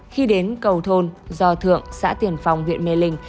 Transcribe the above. khi đến cầu thôn giò thượng xã tiền phong huyện mê linh